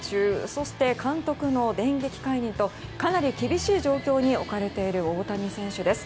そして監督の電撃解任とかなり厳しい状況に置かれている大谷選手です。